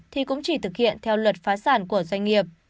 thì cũng chỉ thực hiện theo luật phá sản của doanh nghiệp